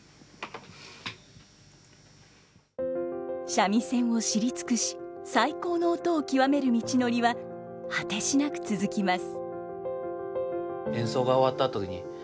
三味線を知り尽くし最高の音を極める道のりは果てしなく続きます。